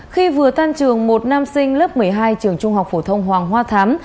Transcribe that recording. khi vừa tan trường một nam sinh lớp một mươi hai trường trung học phổ thông hoàng hoa thám